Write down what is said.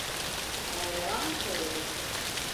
Bana yalan mı söyledin?